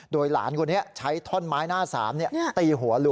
โดยหลานคนนี้ใช้ท่อนไม้หน้าสามตีหัวลุง